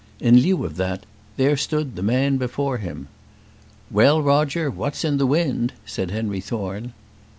In lieu of that, there stood the man before him. "Well, Roger, what's in the wind?" said Henry Thorne.